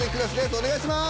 お願いします！